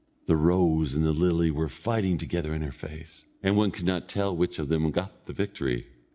The rose and the lily were fighting together in her face, and one could not tell which of them got the victory.